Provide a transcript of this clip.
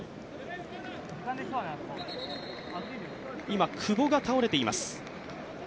今、久保が倒れています。